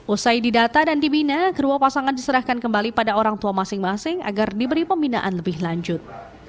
usai didata dan dibina kedua pasangan diserahkan kembali pada orang tua masing masing agar diberi pembinaan lebih lanjut